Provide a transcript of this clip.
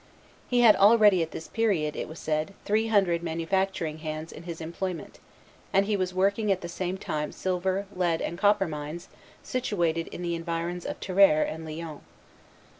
He had already at this period, it was said, three hundred manufacturing hands in his employment, and he was working at the same time silver, lead, and copper mines situated in the environs of Tarare and Lyons.